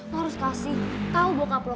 harus kasih tau bokap lo